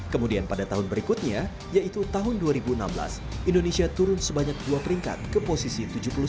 kemudian pada tahun berikutnya yaitu tahun dua ribu enam belas indonesia turun sebanyak dua peringkat ke posisi tujuh puluh sembilan